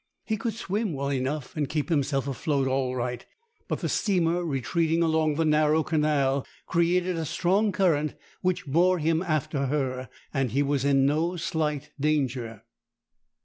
He could swim well enough, and keep himself afloat all right; but the steamer retreating along the narrow canal created a strong current, which bore him after her, and he was in no slight danger.